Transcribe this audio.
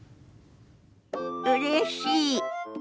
うれしい。